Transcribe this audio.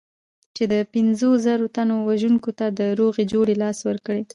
چې د پنځو زرو تنو وژونکي ته د روغې جوړې لاس ورکړي.